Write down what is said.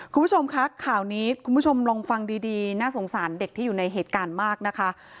คุณผู้ชมคะข่าวนี้คุณผู้ชมลองฟังดีน่าสงสารเด็กที่อยู่ในเหตุการณ์มากนะคะ